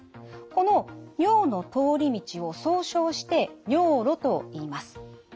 この尿の通り道を総称して尿路といいます。